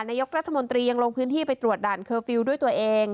นายกรัฐมนตรียังลงพื้นที่ไปตรวจด่านเคอร์ฟิลล์ด้วยตัวเอง